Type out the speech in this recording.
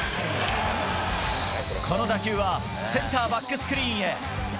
この打球はセンターバックスクリーンへ！